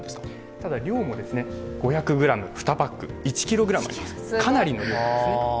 ただ量も５００ｇ２パック１ｋｇ、かなりの量ですね。